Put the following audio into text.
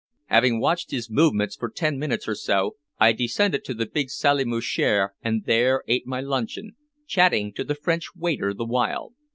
Having watched his movements for ten minutes or so I descended to the big salle à manger and there ate my luncheon, chatting to the French waiter the while.